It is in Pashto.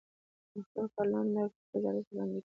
د خپل کار لنډکی ګزارش وړاندې کړ.